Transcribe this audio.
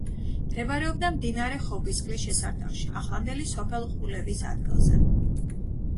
მდებარეობდა მდინარე ხობისწყლის შესართავში, ახლანდელი სოფელ ყულევის ადგილზე.